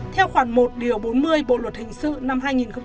theo khoản một bốn mươi bộ luật hình sự năm hai nghìn một mươi năm